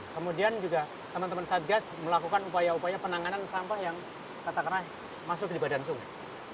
kemudian juga teman teman satgas melakukan upaya upaya penanganan sampah yang katakanlah masuk di badan sungai